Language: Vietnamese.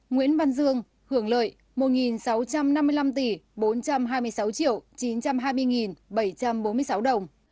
nguyễn văn dương hưởng lợi một sáu trăm năm mươi năm tỷ bốn trăm hai mươi sáu chín trăm hai mươi bảy trăm bốn mươi sáu đồng